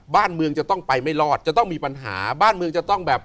บ้านเมืองจะต้องไปไม่รอดจะต้องมีปัญหาบ้านเมืองจะต้องแบบ